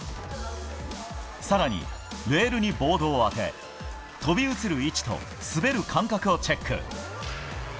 更に、レールにボードを当て飛び移る位置と滑る感覚をチェック。